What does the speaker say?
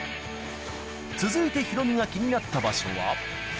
続いてヒロミが気になった場所は。